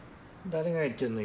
誰が行ってるの？